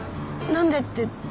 何でって。